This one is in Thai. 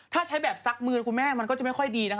ถ้าใช้แบบซักมือคุณแม่มันก็จะไม่ค่อยดีนะคะ